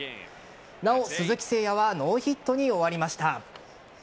なお、鈴木誠也はノーヒットに終わりました。